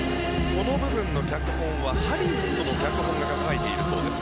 この部分の脚本はハリウッドの脚本が書かれているそうです。